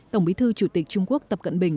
tổng bí thư chủ tịch trung quốc tập cận bình